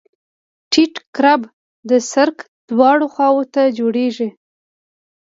ټیټ کرب د سرک دواړو خواو ته جوړیږي